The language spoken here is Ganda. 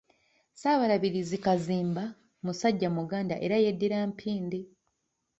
Ssaabalabirizi Kazimba musajja Muganda era yeddira Mpindi.